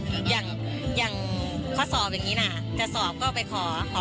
ถ้ำคนวิสัยที่เขาให้รอดนะคะ